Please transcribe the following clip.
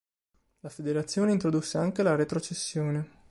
La federazione introdusse anche la retrocessione.